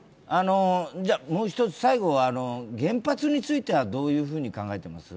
最後、原発についてはどういうふうに考えてますか？